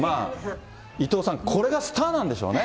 伊藤さん、これがスターなんでしょうね。